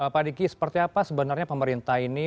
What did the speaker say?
pak diki seperti apa sebenarnya pemerintah ini